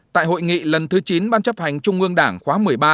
tại hội nghị lần thứ chín ban chấp hành trung ương đảng khóa một mươi ba